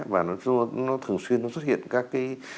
và nó thường xuyên nó xuất hiện các cái